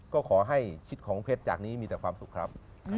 ก็ขอให้ชิดของเพชรจากนี้มีแต่ความสุขครับ